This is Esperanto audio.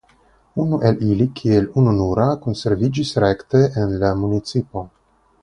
Unu el ili kiel ununura konserviĝis rekte en la municipo.